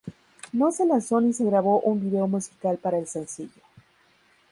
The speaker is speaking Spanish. No se lanzó ni se grabó un video musical para el sencillo.